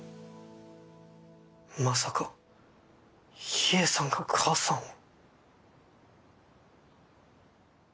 まさか秘影さんが母さんを。